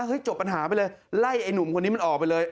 จบปัญหาไปเลยไล่ไอ้หนุ่มคนนี้มันออกไปเลย